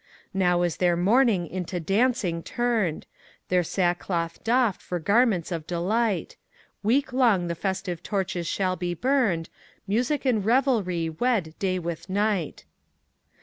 Now is their mourning into dancing turned, Their sackcloth doffed for garments of delight, Week long the festive torches shall be burned, Music and revelry wed day with night.